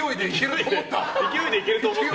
勢いでいけると思った。